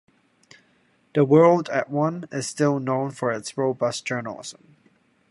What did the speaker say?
"The World at One" is still known for its robust journalism.